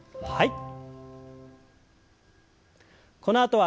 はい。